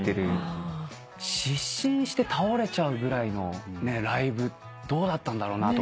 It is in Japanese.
失神して倒れちゃうぐらいのライブどうだったんだろうなとか。